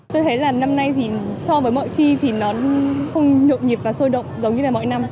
tôi thấy là năm nay thì so với mọi khi thì nó không nhộn nhịp và sôi động giống như là mọi năm